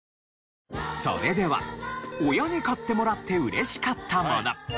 それでは親に買ってもらって嬉しかったもの。